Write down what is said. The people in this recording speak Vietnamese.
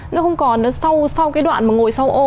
nó không còn sau cái đoạn ngồi sau ô